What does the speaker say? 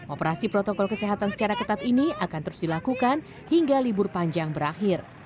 operasi protokol kesehatan secara ketat ini akan terus dilakukan hingga libur panjang berakhir